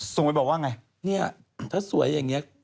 ส่งไปบอกว่าไงเนี่ยถ้าสวยอย่างนี้